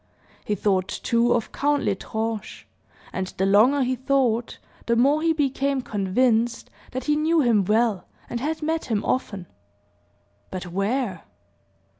He thought, too, of Count L'Estrange; and the longer he thought, the more he became convinced that he knew him well, and had met him often. But where?